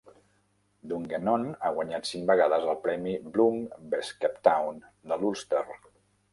Dungannon ha guanyat cinc vegades el premi Bloom Best Kept Town de l'Ulster.